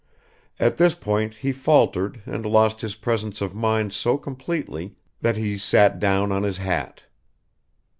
. At this point he faltered and lost his presence of mind so completely that he sat down on his hat.